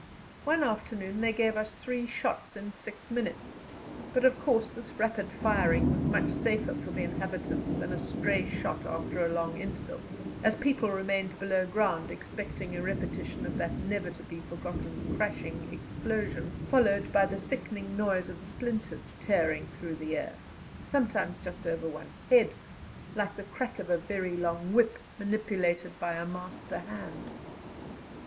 One afternoon they gave us three shots in six minutes, but, of course, this rapid firing was much safer for the inhabitants than a stray shot after a long interval, as people remained below ground expecting a repetition of that never to be forgotten crashing explosion, followed by the sickening noise of the splinters tearing through the air, sometimes just over one's head, like the crack of a very long whip, manipulated by a master hand.